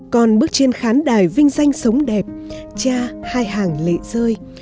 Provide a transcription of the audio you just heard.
còn bước trên khán đài vinh danh sống đẹp cha hai hàng lệ rơi